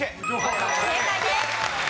正解です。